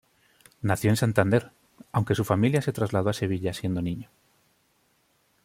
Nació en Santander, aunque su familia se trasladó a Sevilla, siendo niño.